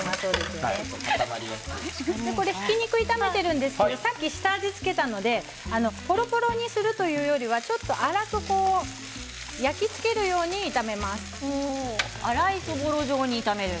ひき肉を炒めているんですけれどもさっき下味を付けたのでぽろぽろにするというよりは粗いそぼろ状に炒める。